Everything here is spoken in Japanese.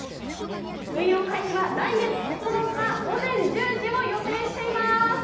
運用開始は来月９日午前１０時を予定しています。